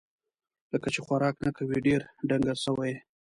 لکه چې خوراک نه کوې ، ډېر ډنګر سوی یې